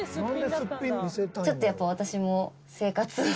ちょっとやっぱ私も。